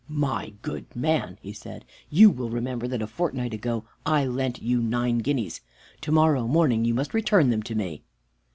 "My good man," he said, "you will remember that a fortnight ago I lent you nine guineas. To morrow morning you must return them to me."